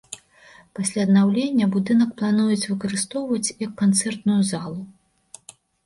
Пасля аднаўлення будынак плануюць выкарыстоўваць як канцэртную залу.